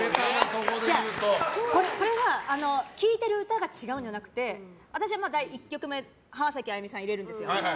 これは聴いてる歌が違うんじゃなくて私は１曲目浜崎あゆみさん入れるんですよ。